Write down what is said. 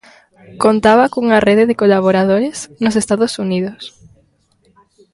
Contaba cunha rede de colaboradores nos Estados Unidos.